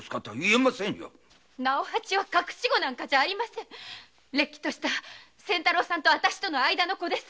直八は隠し子じゃれっきとした仙太郎さんと私との間の子です。